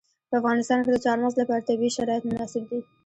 په افغانستان کې د چار مغز لپاره طبیعي شرایط مناسب دي.